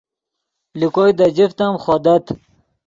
لے کوئے دے جفت ام خودت